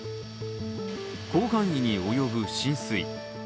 広範囲に及ぶ浸水。